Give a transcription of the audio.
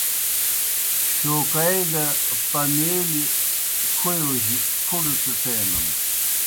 شوکائے گہ پمیلیْ کھویؤجیْ پُھڑہ ڇِڇَینَن۔